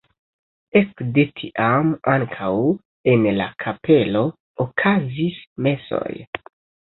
Ekde tiam ankaŭ en la kapelo okazis mesoj.